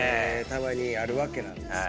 たまにあるわけなんですけど。